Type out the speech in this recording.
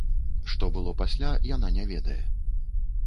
Што было пасля, яна не ведае.